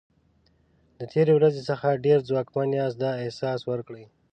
د تېرې ورځې څخه ډېر ځواکمن یاست دا احساس ورکړئ.